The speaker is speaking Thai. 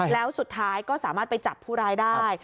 แล้วสุดท้ายก็สามารถไปจับผู้ร้ายได้